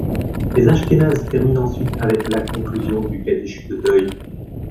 Les Ashkénazes terminent ensuite avec la conclusion du Kaddisch de Deuil.